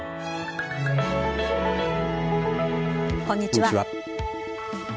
こんにちは。